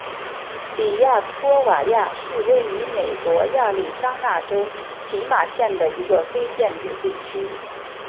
比亚托瓦亚是位于美国亚利桑那州皮马县的一个非建制地区。